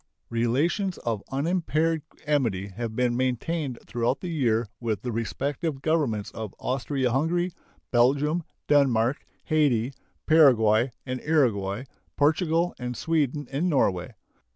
Relations of unimpaired amity have been maintained throughout the year with the respective Governments of Austria Hungary, Belgium, Denmark, Hayti, Paraguay and Uruguay, Portugal, and Sweden and Norway.